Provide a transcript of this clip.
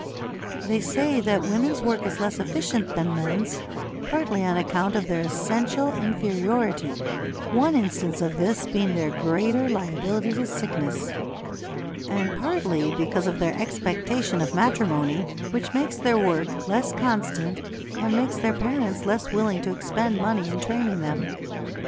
They say that women's work is less efficient than men's, partly on account of their essential inferiority (one instance of this being their greater liability to sickness), and partly because of their expectation of matrimony, which makes their work less constant and makes their parents less willing to expend money in training them.